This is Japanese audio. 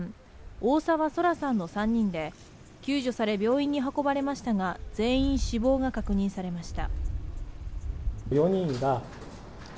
大澤湊來さんの３人で救助され病院に運ばれましたが、全員死亡が確認されました。